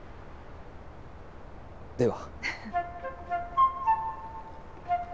では。